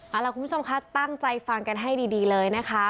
เอาล่ะคุณผู้ชมคะตั้งใจฟังกันให้ดีเลยนะคะ